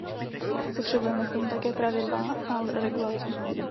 Potřebujeme k tomu také pravidla a regulaci.